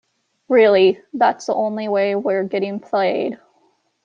Really, that's the only way we're getting played.